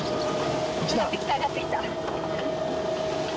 揚がってきた揚がってきた。